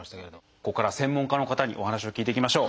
ここからは専門家の方にお話を聞いていきましょう。